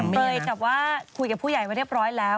เคยกับว่าคุยกับผู้ใหญ่ไว้เรียบร้อยแล้ว